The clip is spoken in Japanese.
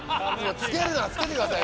つけるならつけてください。